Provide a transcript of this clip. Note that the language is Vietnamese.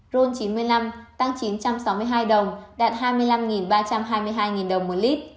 ron chín mươi năm tăng chín trăm sáu mươi hai đồng đạt hai mươi năm ba trăm hai mươi hai đồng một lít